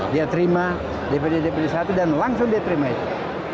dia terima dpd dpd satu dan langsung dia terima itu